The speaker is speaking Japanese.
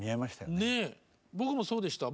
ねえ僕もそうでした。